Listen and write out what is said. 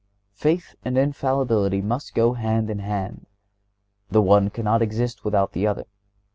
(129) Faith and infallibility must go hand in hand. The one cannot exist without the other.